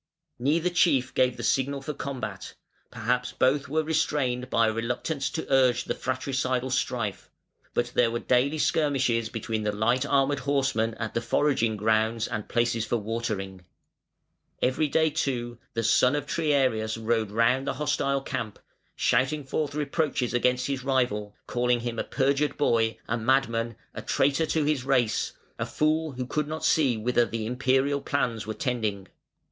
Neither chief gave the signal for combat; perhaps both were restrained by a reluctance to urge the fratricidal strife; but there were daily skirmishes between the light armed horsemen at the foraging grounds and places for watering. Every day, too, the son of Triarius rode round the hostile camp, shouting forth reproaches against his rival, calling him "a perjured boy, a madman, a traitor to his race, a fool who could not see whither the Imperial plans were tending.